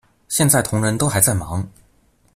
現在同仁都還在忙